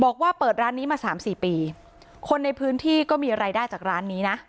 บอกว่าเปิดร้านนี้มาสามสี่ปีคนในพื้นที่ก็มีรายได้จากร้านนี้นะ